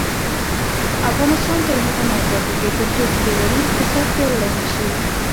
افغانستان تر هغو نه ابادیږي، ترڅو کلیوالي اقتصاد پیاوړی نشي.